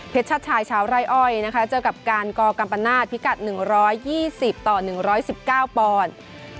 ชัดชายชาวไร่อ้อยนะคะเจอกับการกกัมปนาศพิกัด๑๒๐ต่อ๑๑๙ปอนด์